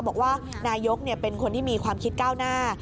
บอกว่านายกเป็นคนที่มีความคิดก้าวหน้า